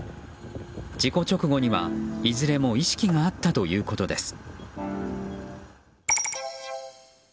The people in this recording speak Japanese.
事故直後には、いずれも意識があったということです。